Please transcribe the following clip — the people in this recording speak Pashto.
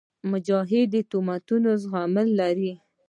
مجاهد د تهمتونو زغم لري.